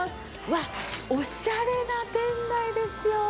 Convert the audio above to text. わっ、おしゃれな店内ですよ。